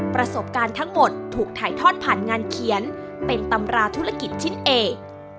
ประสบการณ์ทั้งหมดถูกถ่ายทอดผ่านงานเขียนเป็นตำราธุรกิจชิ้นเอก